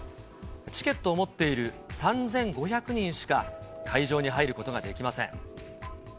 チケットを持っている３５００人しか会場に入ることができません。